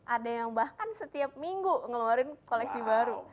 ada yang bahkan setiap minggu ngeluarin koleksi baru